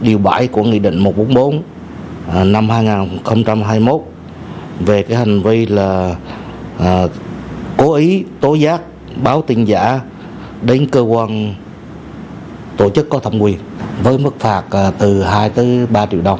điều bảy của nghị định một trăm bốn mươi bốn năm hai nghìn hai mươi một về hành vi là cố ý tố giác báo tin giả đến cơ quan tổ chức có thẩm quyền với mức phạt từ hai tới ba triệu đồng